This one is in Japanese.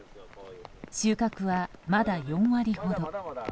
収穫は、まだ４割ほど。